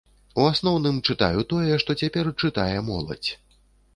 У асноўным, чытаю тое, што цяпер чытае моладзь.